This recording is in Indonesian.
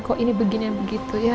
kok ini beginian begitu